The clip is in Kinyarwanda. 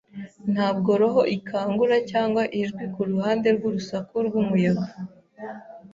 ntabwo roho ikangura cyangwa ijwi kuruhande rwurusaku rwumuyaga.